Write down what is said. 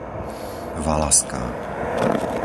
Valaská